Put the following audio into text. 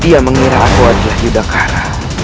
dia mengira aku adalah yudhakara